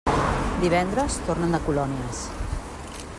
Divendres tornen de colònies.